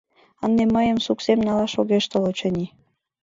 Ынде мыйым суксем налаш огеш тол, очыни.